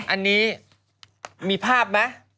อันนี้มีภาพไหม